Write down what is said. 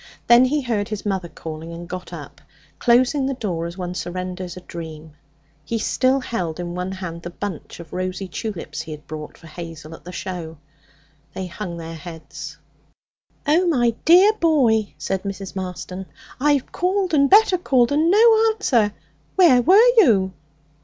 Then he heard his mother calling, and got up, closing the door as one surrenders a dream. He still held in one hand the bunch of rosy tulips he had bought for Hazel at the show. They hung their heads. 'Oh, my dear boy,' said Mrs. Marston, 'I've called and better called, and no answer! Where were you?'